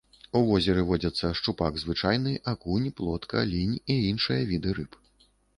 У возеры водзяцца шчупак звычайны, акунь, плотка, лінь і іншыя віды рыб.